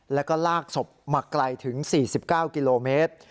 แล้วก็ลากศพมาไกลถึง๔๙กิโลเมตร